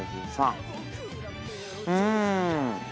うん。